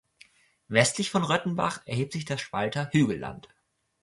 Westlich von Röttenbach erhebt sich das Spalter Hügelland.